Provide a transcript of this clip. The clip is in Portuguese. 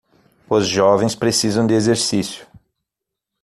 Os jovens precisam de exercício